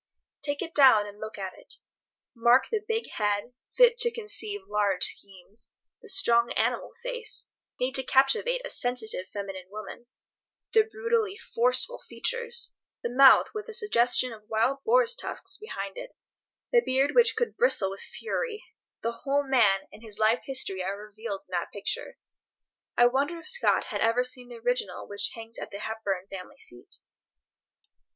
Take it down and look at it. Mark the big head, fit to conceive large schemes; the strong animal face, made to captivate a sensitive, feminine woman; the brutally forceful features—the mouth with a suggestion of wild boars' tusks behind it, the beard which could bristle with fury: the whole man and his life history are revealed in that picture. I wonder if Scott had ever seen the original which hangs at the Hepburn family seat?